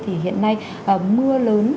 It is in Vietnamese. hiện nay mưa lớn